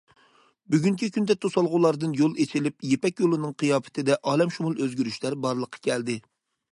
بۈگۈنكى كۈندە توسالغۇلاردىن يول ئېچىلىپ، يىپەك يولىنىڭ قىياپىتىدە ئالەمشۇمۇل ئۆزگىرىشلەر بارلىققا كەلدى.